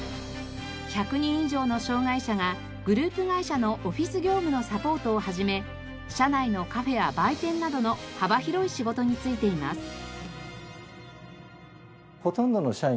１００人以上の障がい者がグループ会社のオフィス業務のサポートを始め社内のカフェや売店などの幅広い仕事に就いています。